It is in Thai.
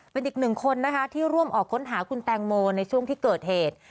เป็นอีกหนึ่งคนนะคะที่ร่วมออกค้นหาคุณแตงโมในช่วงที่เกิดเหตุ